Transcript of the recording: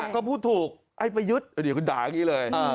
ก็พูดถูกไอ้ประยุทธ์เดี๋ยวคุณด่าอย่างนี้เลย